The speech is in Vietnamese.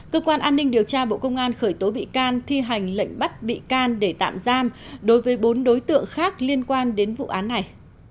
cơ quan an ninh điều tra bộ công an khởi tố bị can thi hành lệnh bắt bị can để tạm giam đối với bốn đối tượng khác liên quan đến vụ án này